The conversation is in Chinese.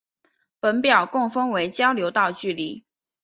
本表共分为交流道距离。